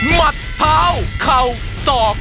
มัดเท้าเข่าศอก